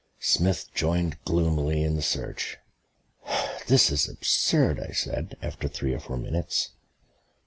Smith joined gloomily in the search. "This is absurd," I said, after three or four minutes.